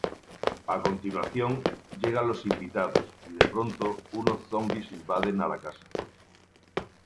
A continuación llegan los invitados, y de pronto, unos zombis invaden a la casa.